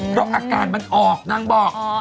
เพราะอาการมันออกนางบอก